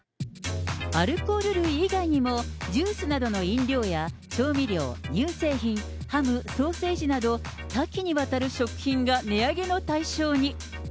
アルコール類以外にも、ジュースなどの飲料や調味料、乳製品、ハム、ソーセージなど、多岐にわたる食品が値上げの対象に。